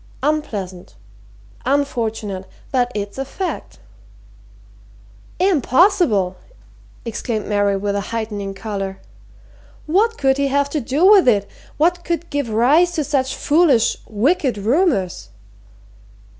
"Unpleasant unfortunate but it's a fact." "Impossible!" exclaimed Mary with a heightening colour. "What could he have to do with it? What could give rise to such foolish wicked rumours?"